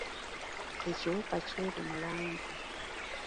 Ekiwuka kyeru mu langi.